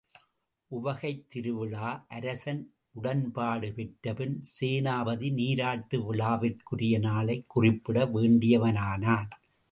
உவகைத் திருவிழா அரசன் உடன்பாடு பெற்றபின் சேனாபதி நீராட்டு விழாவிற்குரிய நாளைக் குறிப்பிட வேண்டியவனானான்.